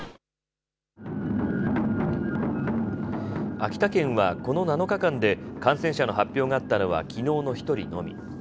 秋田県はこの７日間で感染者の発表があったのはきのうの１人のみ。